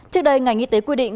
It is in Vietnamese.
trước đây ngành y tế quy định